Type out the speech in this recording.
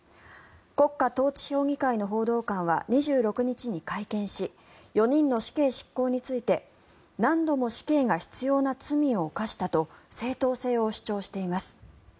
国家統治評議会の報道官は２６日に会見し４人の死刑執行について何度も死刑が必要な罪を犯したと正当性を主張しています。